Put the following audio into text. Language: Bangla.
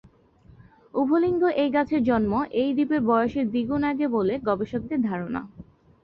উভলিঙ্গ এই গাছের জন্ম এই দ্বীপের বয়সের দ্বিগুণ আগে বলে গবেষকদের ধারণা।